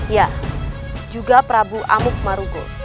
ya juga prabu amuk maroko